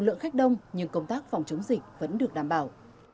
lượng khách đông nhưng công tác phòng chống dịch vẫn được đảm bảo